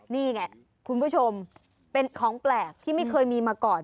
นี่ไงคุณผู้ชมเป็นของแปลกที่ไม่เคยมีมาก่อน